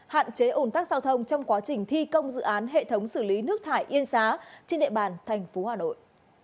hạn chế ổn tắc giao thông trong quá trình thi công dự án hệ thống xử lý nước thải yên xá trên địa bàn tp hà nội